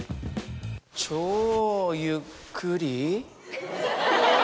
超ゆっくり？